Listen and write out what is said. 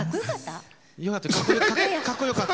かっこよかった。